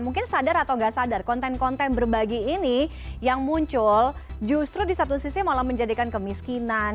mungkin sadar atau nggak sadar konten konten berbagi ini yang muncul justru di satu sisi malah menjadikan kemiskinan